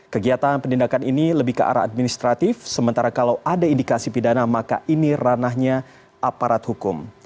kegiatan penindakan ini lebih ke arah administratif sementara kalau ada indikasi pidana maka ini ranahnya aparat hukum